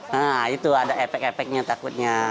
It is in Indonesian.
nah itu ada epek epeknya takutnya